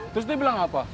terus dia bilang apa